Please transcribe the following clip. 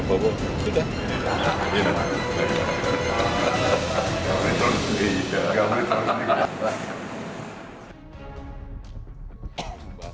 gak boleh terlalu mudah